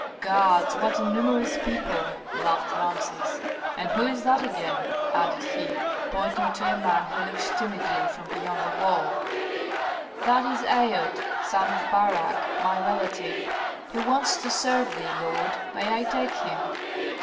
"Gods, what a numerous people!" laughed Rameses. "And who is that again?" added he, pointing to a man who looked timidly from beyond the wall. "That is Aod, son of Barak, my relative. He wants to serve thee, lord. May I take him?"